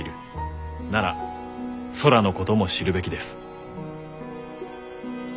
なら空のことも知るべきです。